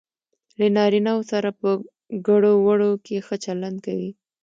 له نارینه وو سره په ګړو وړو کې ښه چلند کوي.